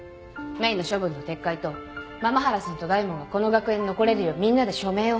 メイの処分の撤回と麻々原さんと大門がこの学園に残れるようみんなで署名を。